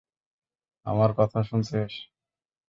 আমার কথা শুনছিস?